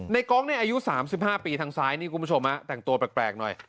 กองเนี่ยอายุ๓๕ปีทางซ้ายนี่คุณผู้ชมแต่งตัวแปลกหน่อย